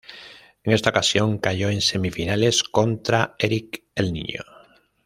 En esta ocasión cayó en semifinales contra Eric El Niño.